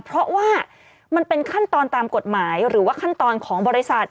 เพราะว่ามันเป็นขั้นตอนตามกฎหมายหรือว่าขั้นตอนของบริษัท